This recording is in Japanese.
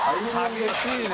激しいね。